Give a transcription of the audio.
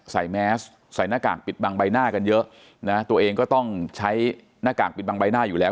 แมสใส่หน้ากากปิดบังใบหน้ากันเยอะนะตัวเองก็ต้องใช้หน้ากากปิดบังใบหน้าอยู่แล้ว